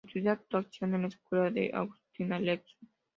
Estudió actuación en la escuela de Agustín Alezzo.